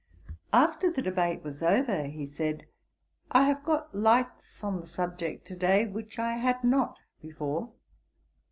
After the debate was over, he said, 'I have got lights on the subject to day, which I had not before.'